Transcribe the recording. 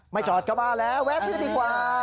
ไม่จอดกลัวบ้านแล้วแวะดิกว่า